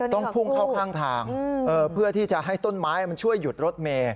ต้องพุ่งเข้าข้างทางเพื่อที่จะให้ต้นไม้มันช่วยหยุดรถเมย์